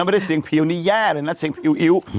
ไม่ได้เสียงผิวนี่แย่เลยนะเสียงผิวอิ๊ว